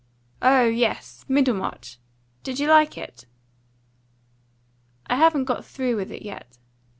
"Oh yes. Middlemarch. Did you like it?" "I haven't got through with it yet.